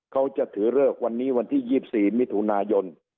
เขาจะถือเลิกวันนี้วันที่๒๔มิถุนายน